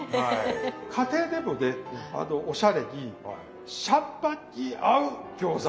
家庭でもねおしゃれにシャンパンに合う餃子。